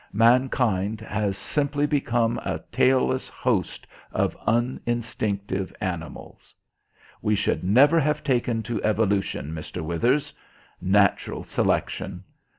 Mankind has simply become a tailless host of uninstinctive animals. We should never have taken to Evolution, Mr. Withers. 'Natural Selection!'